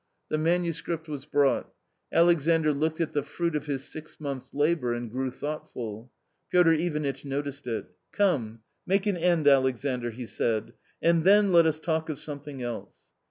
The manuscript was brought. Alexandr looked at the fruit of his six months' labours and grew thoughtful. Piotr Ivanitch noticed it. " Come, make an end, Alexandr," he said " and then let us talk of something else."